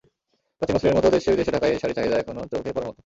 প্রাচীন মসলিনের মতো দেশে-বিদেশে ঢাকাই শাড়ির চাহিদা এখনো চোখে পড়ার মতো।